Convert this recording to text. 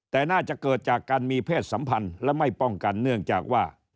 แต่น่าจะเกิดจากการมีเพศสัมพันธ์และไม่ป้องกันเนื่องจากว่า